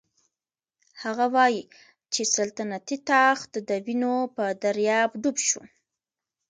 هغه وايي چې سلطنتي تخت د وینو په دریاب ډوب شو.